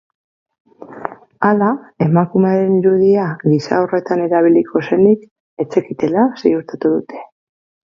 Hala, emakumearen irudia gisa horretan erabiliko zenik ez zekitela ziurtatu dute.